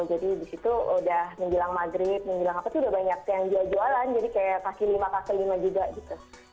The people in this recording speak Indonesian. jadi di situ udah menjelang maghrib menjelang apa tuh udah banyak yang jualan jadi kayak kaki lima kaki lima juga gitu